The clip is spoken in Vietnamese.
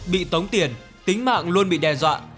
bị tống tiền tính mạng luôn bị đe dọa